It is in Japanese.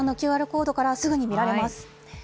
ＱＲコードからもすぐに見られます。